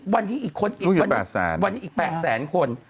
วันนี้อีก๘แสนคน